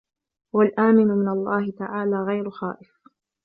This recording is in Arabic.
وَالْآمِنُ مِنْ اللَّهِ تَعَالَى غَيْرُ خَائِفٍ